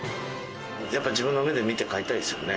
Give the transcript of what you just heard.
自分の目で見て買いたいですよね。